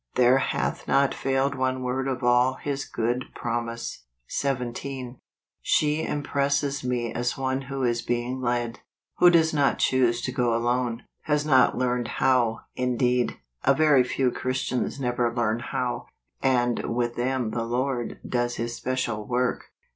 " There hath not failed one word of all his good promise." 17. " She impresses me as one who is being led; who does not choose to go alone, has not learned how, indeed. A very few Christians never learn how, and with them the Lord does his special work."